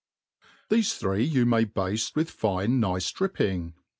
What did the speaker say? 13 I THESE three you may bafte with fine, nice dripping.